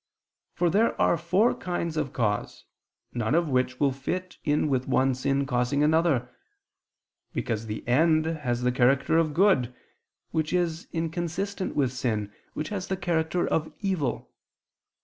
For there are four kinds of cause, none of which will fit in with one sin causing another. Because the end has the character of good; which is inconsistent with sin, which has the character of evil.